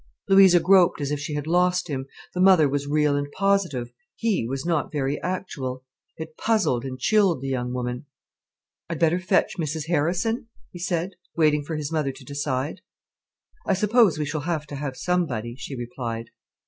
Louisa groped as if she had lost him. The mother was real and positive—he was not very actual. It puzzled and chilled the young woman. "I'd better fetch Mrs Harrison?" he said, waiting for his mother to decide. "I suppose we shall have to have somebody," she replied.